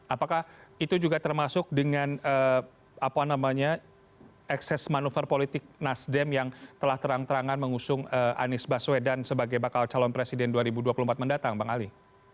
apakah itu juga termasuk dengan ekses manuver politik nasdem yang telah terang terangan mengusung anies baswedan sebagai bakal calon presiden dua ribu dua puluh empat mendatang bang ali